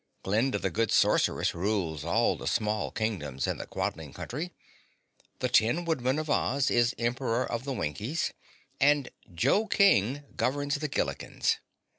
Glinda, the Good Sorceress, rules all the small Kingdoms in the Quadling Country, the Tin Woodman of Oz is Emperor of the Winkies and Jo King governs the Gillikins.